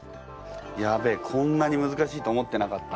やべえこんなにむずかしいと思ってなかった。